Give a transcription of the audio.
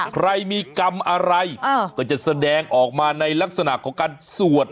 ใครมีกรรมอะไรก็จะแสดงออกมาในลักษณะของการสวด